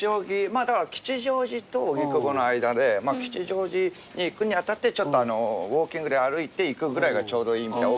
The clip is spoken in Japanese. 吉祥寺と荻窪の間で吉祥寺に行くに当たってウオーキングで歩いて行くぐらいがちょうどいい荻窪から。